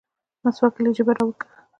مسواک يې له جيبه راوکيښ.